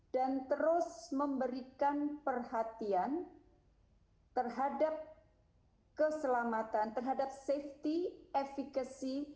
dan terus memberikan perhatian terhadap keselamatan terhadap safety efficacy